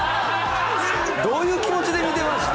どういう気持ちで見てました？